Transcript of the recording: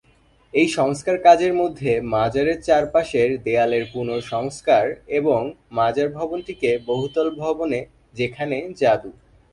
এই সংস্কার কাজের মধ্যে মাজারের চারপাশের দেয়ালের পুনঃসংস্কার এবং মাজার ভবনটিকে বহুতল ভবনে যেখানে যাদু।